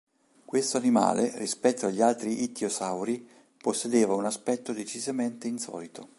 Questo animale, rispetto agli altri ittiosauri, possedeva un aspetto decisamente insolito.